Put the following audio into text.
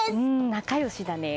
仲良しだね。